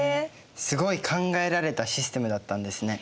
すごい考えられたシステムだったんですね。